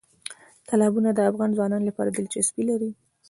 تالابونه د افغان ځوانانو لپاره دلچسپي لري.